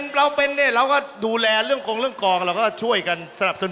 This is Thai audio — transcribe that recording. เราเป็นเนี่ยเราก็ดูแลเรื่องกงเรื่องกองเราก็ช่วยกันสนับสนุน